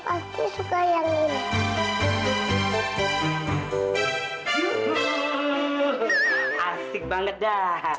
asik banget dah